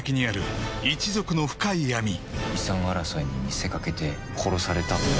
「遺産争いに見せかけて殺された」